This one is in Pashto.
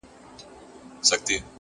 عقیدې يې دي سپېڅلي’ شرابونه په لیلام دي’